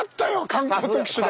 観光特使で。